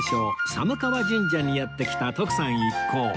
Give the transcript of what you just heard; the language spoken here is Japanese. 寒川神社にやって来た徳さん一行